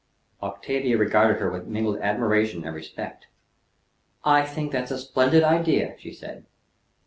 Octavia regarded her with mingled admiration and respect. "I think that's a splendid idea," she said.